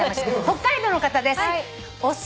北海道の方です。